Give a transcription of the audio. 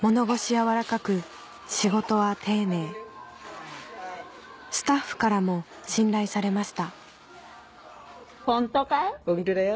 柔らかく仕事は丁寧スタッフからも信頼されましたホントだよ。